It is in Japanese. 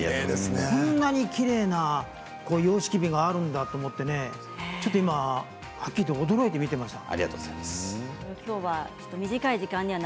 こんなにきれいな様式美があるんだということで今、ちょっとはっきり言って驚いて見ていました。